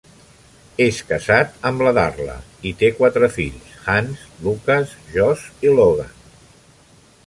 És casat amb la Darla i té quatre fils: Hans, Lucas, Josh i Logan.